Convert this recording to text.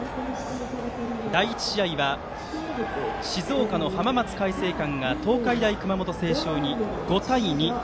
第１試合は静岡の浜松開誠館が東海大熊本星翔に５対２。